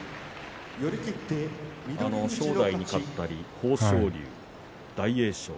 正代勝った豊昇龍、大栄翔。